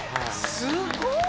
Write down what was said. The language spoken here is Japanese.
すごーい！